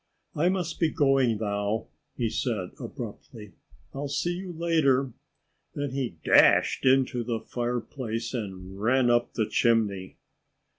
"I must be going now," he said abruptly. "I'll see you later." Then he dashed into the fireplace and ran up the chimney.